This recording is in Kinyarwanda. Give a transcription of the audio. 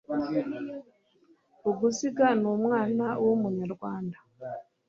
vuguziga ni umwana w'umunyarwanda